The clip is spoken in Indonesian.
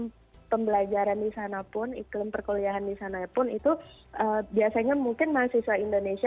dalam pembelajaran di sana pun iklim perkuliahan di sana pun itu biasanya mungkin mahasiswa indonesia